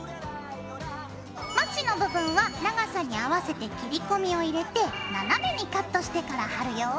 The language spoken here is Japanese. まちの部分は長さに合わせて切り込みを入れて斜めにカットしてから貼るよ。